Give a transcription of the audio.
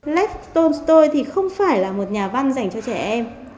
left stone story thì không phải là một nhà văn dành cho trẻ em